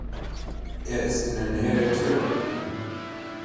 Er ist in der Nähe der Tür.